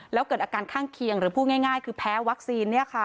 แล้วเกิดอาการข้างเคียงหรือพูดง่ายคือแพ้วัคซีน